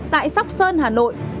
tại sóc sơn hà nội